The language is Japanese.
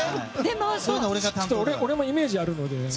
俺もイメージあるので。